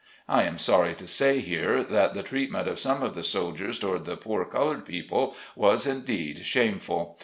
I am sorry to say here, that the treatment of some of the soldiers toward the poor colored people was indeed shame ful.